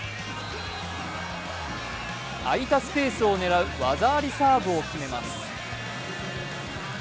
空いたスペースを狙う技ありサーブをきめます。